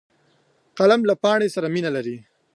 قلم له پاڼې سره مینه لري